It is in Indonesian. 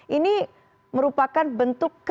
ini merupakan bentuk